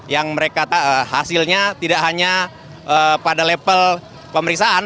yang mereka hasilnya tidak hanya pada level pemeriksaan